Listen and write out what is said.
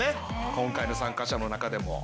今回の参加者の中でも。